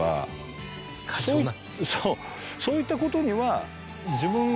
そうそういったことには。